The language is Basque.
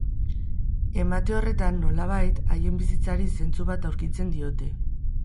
Emate horretan, nolabait, haien bizitzari zentzu bat aurkitzen diote.